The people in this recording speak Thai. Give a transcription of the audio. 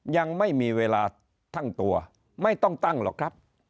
ยังไม่มีเวลาทั้งตัวไม่ต้องตั้งหรอกครับ